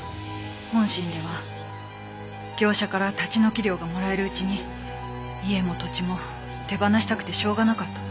本心では業者から立ち退き料がもらえるうちに家も土地も手放したくてしょうがなかったの。